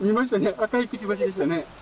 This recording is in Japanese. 赤いくちばしでしたね。